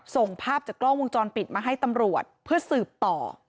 ส่งภาพจากกล้องวงจรปิดมาให้ตำรวจเพื่อสืบต่อ